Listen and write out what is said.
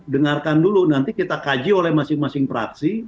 dengarkan dulu nanti kita kaji oleh masing masing praksi